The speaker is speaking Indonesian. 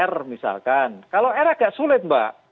r misalkan kalau r agak sulit mbak